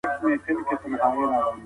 خپله ژبه په علمي ډول پیاوړې کړئ.